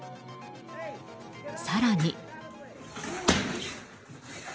更に。